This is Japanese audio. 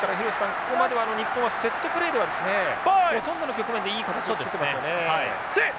ここまでは日本はセットプレーではほとんどの局面でいい形を作ってますよね。